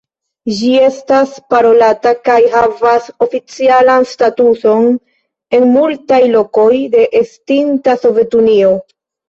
Ĝi estas parolata kaj havas oficialan statuson en multaj lokoj de estinta Sovetunio.